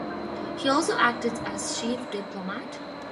He also acted as chief diplomat.